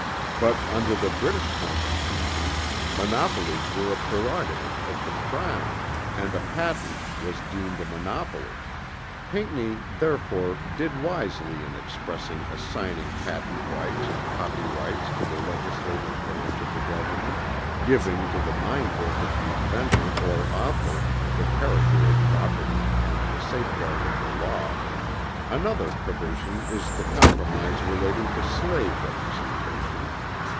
But under the British Constitution monopolies were a prerogative of the Crown, and a patent was deemed a monopoly. Pinckney therefore did wisely in expressly assigning patent rights and copyrights to the legislative branch of the Government, giving to the mind work of the inventor or author the character of property and the safeguard of the law. Another provision is the compromise relating to slave representation.